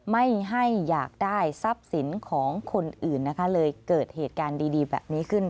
ไม่ให้อยากได้ทรัพย์สินของคนอื่นนะคะเลยเกิดเหตุการณ์ดีแบบนี้ขึ้น